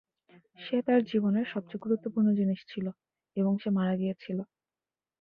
সে তার জীবনের সবচেয়ে গুরুত্বপূর্ণ জিনিস ছিল, এবং সে মারা গিয়েছিল।